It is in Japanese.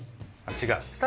違う？